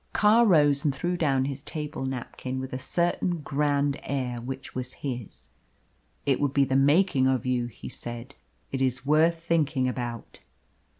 Carr rose and threw down his table napkin with a certain grand air which was his. "It would be the making of you," he said. "It is worth thinking about."